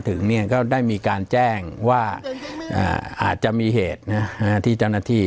ทาวนที่เขาก็มากับการระวัย